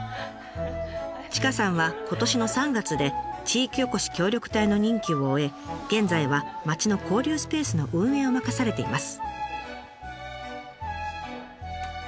千賀さんは今年の３月で地域おこし協力隊の任期を終え現在は町の交流スペースの運営を任されています。